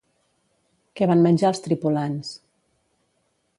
Què van menjar els tripulants?